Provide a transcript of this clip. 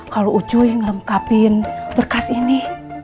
kalau ucuy ngelengkapin berkas ini